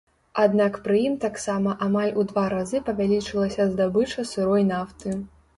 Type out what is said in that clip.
Аднак пры ім таксама амаль у два разы павялічылася здабыча сырой нафты.